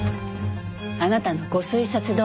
あなたのご推察どおり。